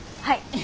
はい。